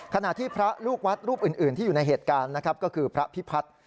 ขณะที่พระลูกวัดรูปอื่นที่อยู่ในเหตุการณ์นะครับก็คือพระพิพัฒน์